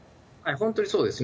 本当にそうですね。